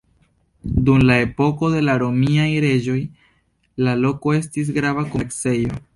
Dum la epoko de la romiaj reĝoj la loko estis grava komercejo.